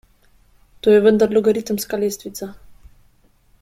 To je vendar logaritemska lestvica.